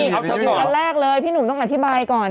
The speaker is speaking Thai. ถึงอันแรกเลยพี่หนุ่มต้องอธิบายก่อน